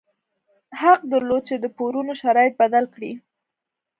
حق درلود چې د پورونو شرایط بدل کړي.